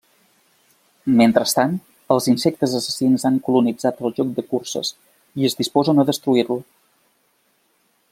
Mentrestant, els insectes assassins han colonitzat el joc de curses, i es disposen a destruir-lo.